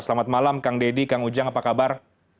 selamat malam kang deddy kang ujang apa kabar